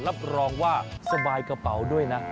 รับรองว่าสบายกระเป๋าด้วยนะ